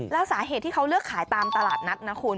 แล้วสาเหตุที่เขาเลือกขายตามตลาดนัดนะคุณ